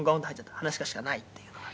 「噺家しかないっていうのが。